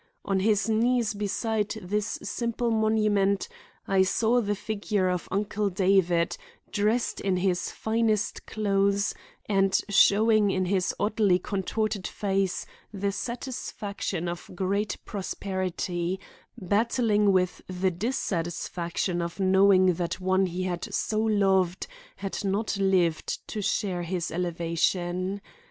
On his knees beside this simple monument I saw the figure of Uncle David, dressed in his finest clothes and showing in his oddly contorted face the satisfaction of great prosperity, battling with the dissatisfaction of knowing that one he had so loved had not lived to share his elevation.